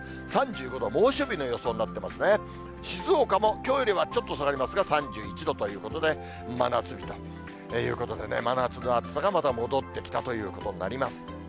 静岡もきょうよりはちょっと下がりますが、３１度ということで、真夏日ということでね、真夏の暑さがまた戻ってきたということになります。